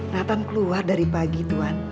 nathan keluar dari pagi tuhan